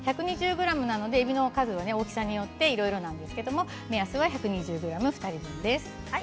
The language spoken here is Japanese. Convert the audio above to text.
１２０ｇなのでえびの数は、大きさによっていろいろですが目安は１２０ｇ、２人分です。